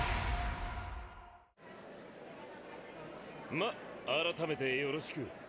ま改めてよろしく！